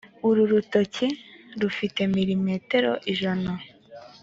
uru rutoki rufite milimetero ijana